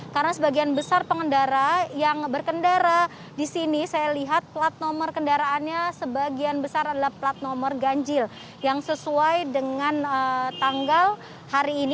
karena sebagian besar pengendara yang berkendara di sini saya lihat plat nomor kendaraannya sebagian besar adalah plat nomor ganjil yang sesuai dengan tanggal hari ini